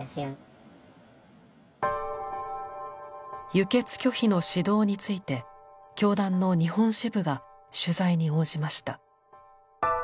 輸血拒否の指導について教団の日本支部が取材に応じました。